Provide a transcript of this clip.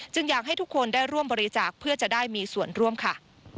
อยากให้ทุกคนได้ร่วมบริจาคเพื่อจะได้มีส่วนร่วมค่ะ